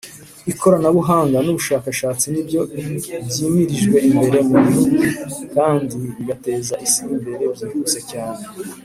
ikoranabuhanga nubushakashatsi nibyo byimirijwe imbere mu gihugu kandi bigateza isi imbere byihuse cyane